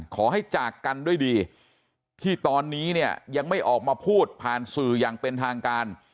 ขอให้จากกันด้วยดีที่ตอนนี้เนี่ยยังไม่ออกมาพูดผ่านสื่ออย่างเป็นทางการ